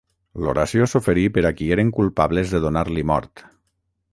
L'oració s'oferí per a qui eren culpables de donar-li mort.